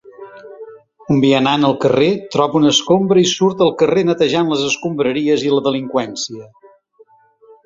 Un vianant al carrer troba una escombra i surt al carrer netejant les escombraries i la delinqüència.